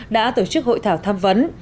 đã tổ chức hội thảo tham vấn